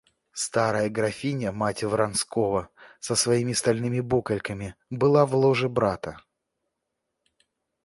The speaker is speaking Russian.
Старая графиня, мать Вронского, со своими стальными букольками, была в ложе брата.